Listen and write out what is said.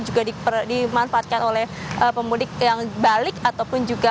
juga dimanfaatkan oleh pemudik yang balik ataupun juga